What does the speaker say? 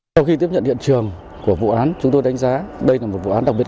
sau khi tiếp nhận hiện trường của vụ án chúng tôi đã tìm ra một số tài sản trụng cắp được cất giấu ở nhiều nơi